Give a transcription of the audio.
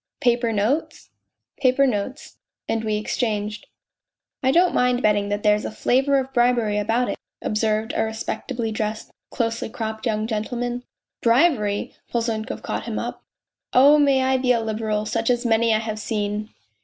" Paper notes ?"" Paper notes; and we exchanged." " I don't mind betting that there's a flavour of bribery about it," observed a respectably dressed, closely cropped young gentleman. " Bribery !" Polzunkov caught him up. '' Oh, may I be a Liberal, Such as many I have seen